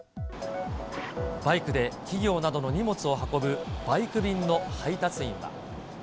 バイクで企業などの荷物を運ぶバイク便の配達員は。